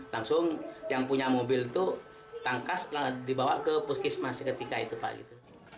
langsung yang punya mobil itu tangkas dibawa ke puskesmas ketika itu pak gitu